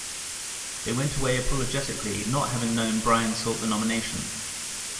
They went away apologetically, not having known Bryan sought the nomination.